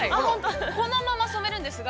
◆このまま染めるんですが。